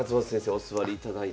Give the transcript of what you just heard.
お座りいただいて。